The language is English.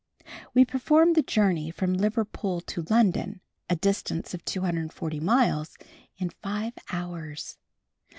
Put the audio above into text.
We performed the journey from Liverpool to London, a distance of 240 miles, in five hours.